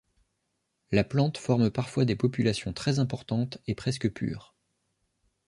La plante forme parfois des populations très importantes et presque pures.